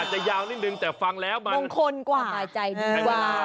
อาจจะยาวนิดหนึ่งแต่ฟังแล้วมัน